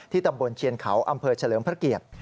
ตำบลเชียนเขาอำเภอเฉลิมพระเกียรติ